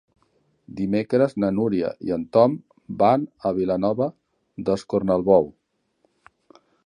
Dimecres na Núria i en Tom van a Vilanova d'Escornalbou.